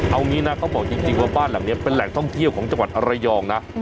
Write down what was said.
เอางี้นะเขาบอกจริงว่าบ้านหลังนี้เป็นแหล่งท่องเที่ยวของจังหวัดระยองนะ